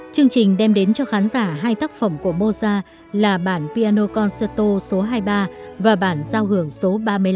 chương trình đem đến cho khán giả hai tác phẩm của moza là bản piano concerto số hai mươi ba và bản giao hưởng số ba mươi năm